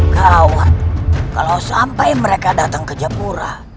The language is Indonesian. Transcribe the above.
karawat kalau sampai mereka datang ke japura